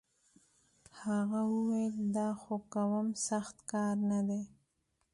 هغه وويل دا خو کوم سخت کار نه دی.